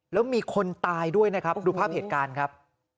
แล้วมีคนตายด้วยนะครับดูภาพเหตุการณ์ครับ